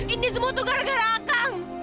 ini semua tuh gara gara akang